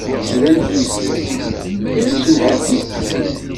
Kra s tidi, kra s nnhati.